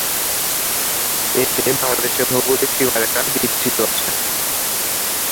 এতে বাংলাদেশের ভৌগোলিক সীমারেখা বিধৃত আছে।